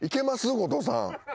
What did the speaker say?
後藤さん。